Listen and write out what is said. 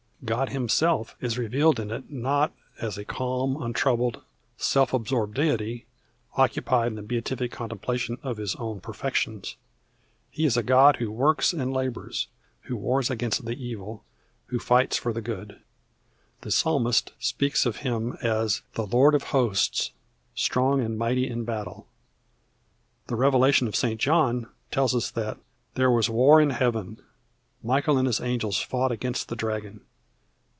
God Himself is revealed in it not as a calm, untroubled, self absorbed Deity, occupied in beatific contemplation of His own perfections. He is a God who works and labours, who wars against the evil, who fights for the good. The psalmist speaks of Him as "The Lord of Hosts, strong and mighty in battle." The Revelation of St. John tells us that "There was war in Heaven; Michael and his angels fought against the dragon."